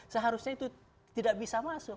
seharusnya itu tidak bisa masuk